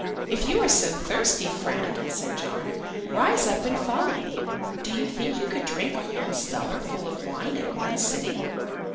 "If you are so thirsty, friend," said John, "rise up and follow me. Do you think you could drink a whole cellar full of wine at one sitting?"